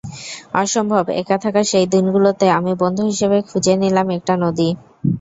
অসম্ভব একা থাকার সেই দিনগুলোতে আমি বন্ধু হিসেবে খুঁজে নিলাম একটা নদী।